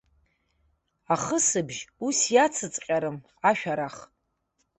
Ахысыбжь ус иацыҵҟьарым ашәарах.